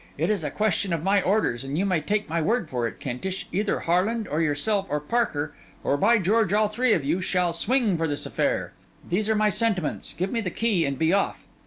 'It is a question of my orders, and you may take my word for it, Kentish, either Harland, or yourself, or Parker—or, by George, all three of you!—shall swing for this affair. These are my sentiments. Give me the key and be off.